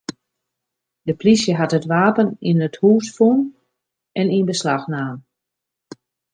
De plysje hat it wapen yn it hús fûn en yn beslach naam.